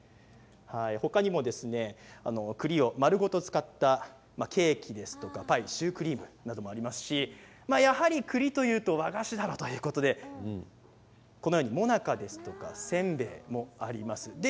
他にも栗を丸ごと使ったケーキやパイシュークリームもありますしやはり栗というと和菓子だろうということでこのようにもなかやせんべいもあります。